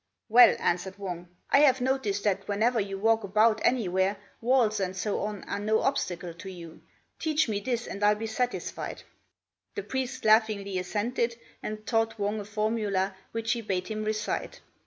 "Well," answered Wang, "I have noticed that whenever you walk about anywhere, walls and so on are no obstacle to you. Teach me this, and I'll be satisfied." The priest laughingly assented, and taught Wang a formula which he bade him recite.